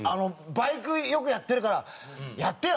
「バイクよくやってるからやってよ！」